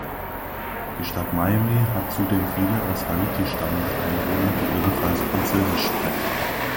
Die Stadt Miami hat zudem viele aus Haiti stammende Einwohner, die ebenfalls Französisch sprechen.